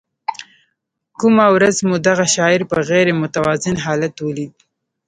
کومه ورځ مو دغه شاعر په غیر متوازن حالت ولید.